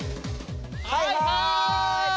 はいはい！